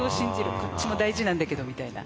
こっちも大事なんだけどみたいな。